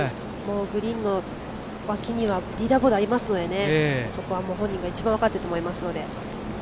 グリーンの脇にはリーダーボードがありますのでそこは本人が一番分かっていると思います。